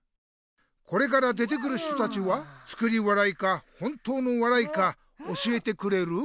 これから出てくる人たちは「作り笑い」か「本当の笑い」か教えてくれる？